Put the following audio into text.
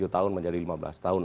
tujuh tahun menjadi lima belas tahun